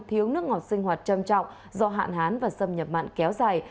thiếu nước ngọt sinh hoạt trầm trọng do hạn hán và xâm nhập mặn kéo dài